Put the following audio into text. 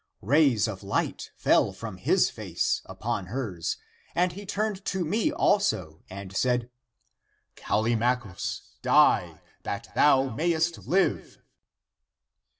Rays of light fell from his face upon hers, and he turned to me also and said, Cal limachus, die, that thou mayest live.